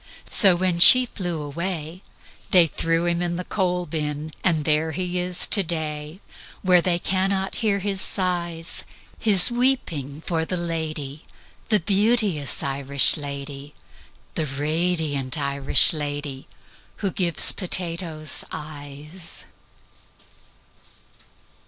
So when she flew away, They threw him in the coal bin And there he is to day, Where they cannot hear his sighs His weeping for the lady, The beauteous Irish lady, The radiant Irish lady Who gives potatoes eyes."